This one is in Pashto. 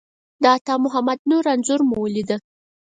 د عطامحمد نور انځور مو ولیده.